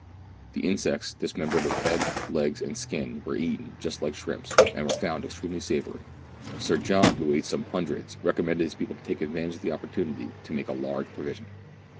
The insects, dismembered of head, legs, and skin, were eaten just like shrimps, and were found extremely savoury. Sir John, who ate some hundreds, recommended his people to take advantage of the opportunity to make a large provision.